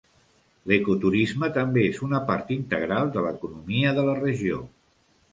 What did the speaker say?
L'ecoturisme també és una part integral de l'economia de la regió.